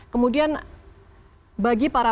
kemudian bagi para